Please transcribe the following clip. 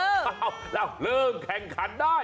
เราเลิกแข่งขันด้อย